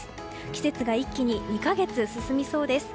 季節が一気に２か月進みそうです。